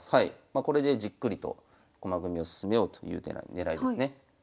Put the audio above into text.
これでじっくりと駒組みを進めようという手が狙いですね。